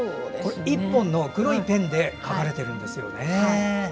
１本の黒いペンで描かれているんですよね。